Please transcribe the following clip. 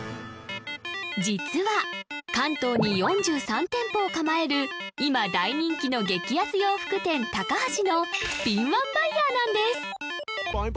実は関東に４３店舗を構える今大人気の激安洋服店タカハシの敏腕バイヤーなんです